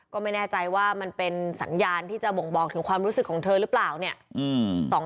ก็ไม่แน่ใจว่ามันเป็นสัญญาณที่จะบ่งบอกถึงความรู้สึกของเธอหรือเปล่าเนี่ย